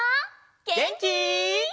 げんき？